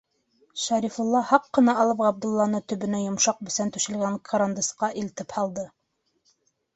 Шәрифулла, һаҡ ҡына алып, Ғабдулланы төбөнә йомшаҡ бесән түшәлгән кырандасҡа илтеп һалды.